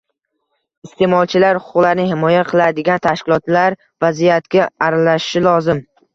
Isteʼmolchilar huquqlarini himoya qiladigan tashkilotlar vaziyatga aralashishi lozim.